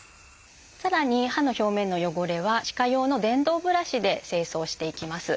さらに歯の表面の汚れは歯科用の電動ブラシで清掃していきます。